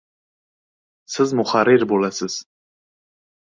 — Siz muharrir bo‘lasiz!